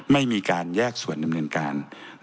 ไม่มีการแยกส่วนดำเนินการ